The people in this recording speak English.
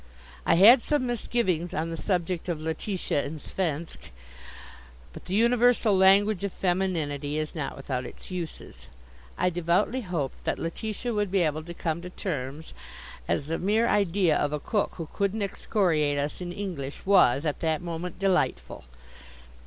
I had some misgivings on the subject of Letitia and svensk, but the universal language of femininity is not without its uses. I devoutly hoped that Letitia would be able to come to terms, as the mere idea of a cook who couldn't excoriate us in English was, at that moment, delightful.